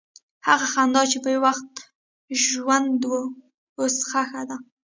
هغه خندا چې یو وخت ژوند وه، اوس ښخ ده.